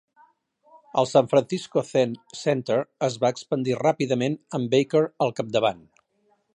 El San Francisco Zen Center es va expandir ràpidament amb Baker al capdavant.